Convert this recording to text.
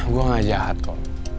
gue gak jahat kol